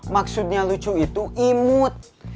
maksudnya lucu itu imut